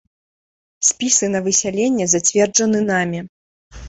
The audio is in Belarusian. Спісы на высяленне зацверджаны намі.